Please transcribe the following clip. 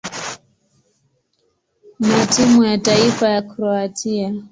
na timu ya taifa ya Kroatia.